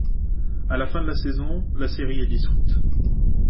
À la fin de la saison, la série est dissoute.